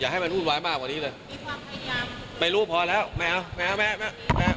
ให้มันวุ่นวายมากกว่านี้เลยไม่รู้พอแล้วไม่เอาไม่เอาแม่แม่